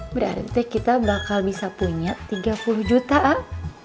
berarti kita bakal bisa punya tiga puluh juta aak